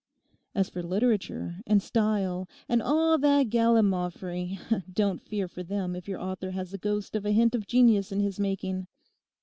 As for literature, and style, and all that gallimaufry, don't fear for them if your author has the ghost of a hint of genius in his making.